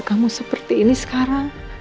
kamu seperti ini sekarang